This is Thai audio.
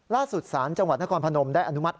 ล่าสุดศาลจังหวัดนครพนมได้อนุมัติ